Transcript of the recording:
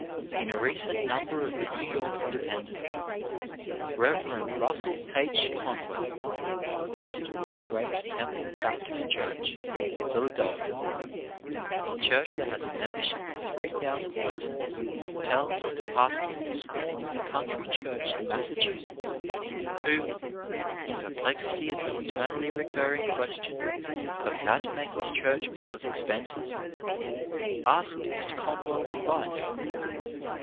In a recent number of the New York Inde pendent, Rev. Russel H. Conwell, the pastor of the great Temple Baptist Church, in Philadelphia, a church that has a membership of three thousand persons, tells of the pastor of a small country DOWN TO MOTHER EARTH 263 church iii Massachusetts who, in perplexity at the eternally recurring question of how to make his church pay its expenses, asked Mr. Conwell's advice.